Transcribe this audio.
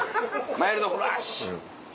マイルドフラッシュ！